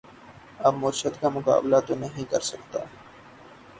اب مرشد کا مقابلہ تو نہیں کر سکتا